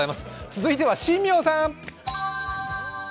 続いては新名さん。